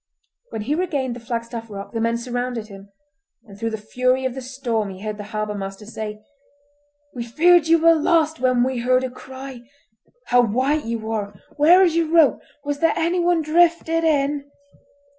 When he regained the Flagstaff Rock the men surrounded him, and through the fury of the storm he heard the harbour master say:— "We feared you were lost when we heard a cry! How white you are! Where is your rope? Was there anyone drifted in?"